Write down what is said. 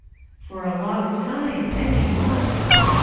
"For a long time, many months.